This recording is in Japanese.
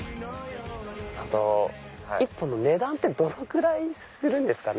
１本の値段ってどのくらいするんですかね。